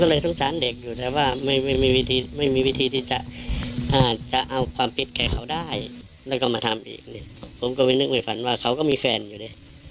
ก็เลยสงสารเด็กอยู่แต่ว่าไม่มีวิธีที่จะเอาความผิดแก่เขาได้แล้วก็มาทำอีกเนี่ยผมก็ไม่นึกไม่ฝันว่าเขาก็มีแฟนอยู่เนี่ย